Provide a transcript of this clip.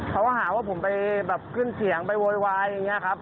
เขาก็หาว่าผมไปแบบขึ้นเสียงไปโวยวายอย่างนี้ครับ